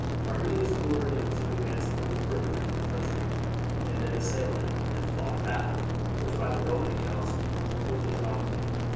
"] Arminius lured him to advance a little further into the country, and then assailed him, and fought a battle, which, by the Roman accounts, was a drawn one.